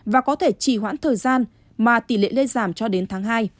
và có thể chỉ hoãn thời gian mà tỷ lệ lây giảm cho đến tháng hai